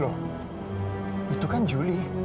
loh itu kan juli